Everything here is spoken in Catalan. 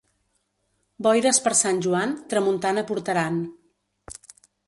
Boires per Sant Joan, tramuntana portaran.